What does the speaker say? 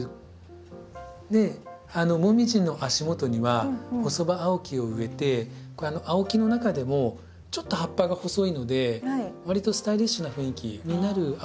でモミジの足元にはホソバアオキを植えてアオキの中でもちょっと葉っぱが細いのでわりとスタイリッシュな雰囲気になるアオキですね。